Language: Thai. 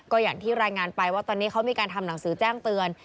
ก็อย่างที่รายงานไปว่าตอนนี้เขามีการทำหนังสือแจ้งเตือน